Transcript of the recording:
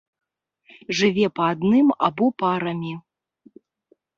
Жыве па адным або парамі.